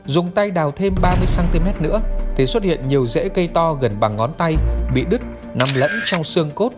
dùng tay đào thêm ba mươi cm nữa thì xuất hiện nhiều rễ cây to gần bằng ngón tay bị đứt nằm lẫn trong xương cốt